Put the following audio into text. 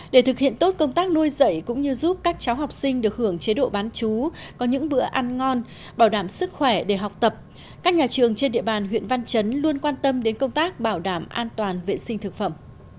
để thực hiện tốt công tác nuôi dạy cũng như giúp các cháu học sinh được hưởng chế độ bán chú có những bữa ăn ngon bảo đảm sức khỏe để học tập các nhà trường trên địa bàn huyện văn chấn luôn quan tâm đến công tác bảo đảm an toàn vệ sinh thực phẩm